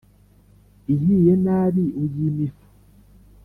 Ihiye nabi uyima ifu.